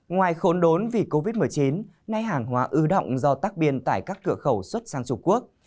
ngoài khốn đốn vì covid một mươi chín nay hàng hóa ưu động do tác biên tại các cửa khẩu xuất sang trung quốc